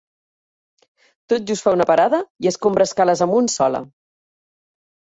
Tot just fa una parada i escombra escales amunt sola.